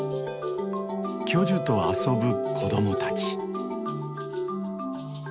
巨樹と遊ぶ子供たち。